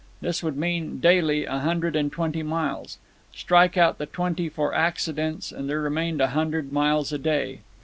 This would mean, daily, a hundred and twenty miles. Strike out the twenty for accidents, and there remained a hundred miles a day.